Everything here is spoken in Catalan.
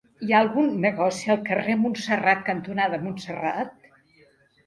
Hi ha algun negoci al carrer Montserrat cantonada Montserrat?